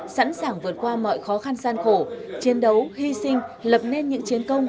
sẵn sàng vượt qua mọi khó khăn gian khổ chiến đấu hy sinh lập nên những chiến công